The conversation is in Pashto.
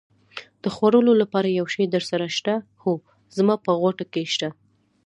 د خوړلو لپاره یو شی درسره شته؟ هو، زما په غوټه کې شته.